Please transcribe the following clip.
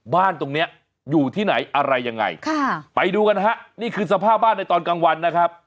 บ้านตรงเนี้ยอยู่ที่ไหนอะไรยังไงค่ะไปดูกันฮะนี่คือสภาพบ้านในตอนกลางวันนะครับ